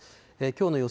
きょうの予想